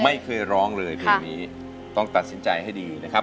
ไม่เคยร้องเลยเพลงนี้ต้องตัดสินใจให้ดีนะครับ